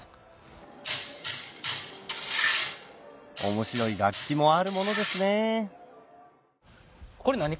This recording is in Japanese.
面白い楽器もあるものですね